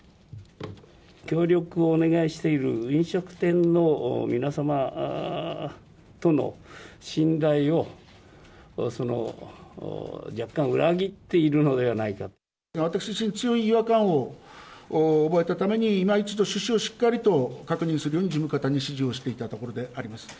協力をお願いしている飲食店の皆様との信頼を、私自身、強い違和感を覚えたために、いま一度趣旨をしっかりと確認するように、事務方に指示をしていたところでございます。